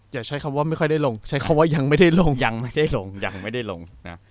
อย่าใช้คำว่าไม่ค่อยได้ลงใช้คำว่ายังไม่ได้ลง